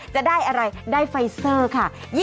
จะได้อะไรได้ไฟเซอร์ค่ะ